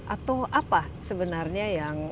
atau apa sebenarnya yang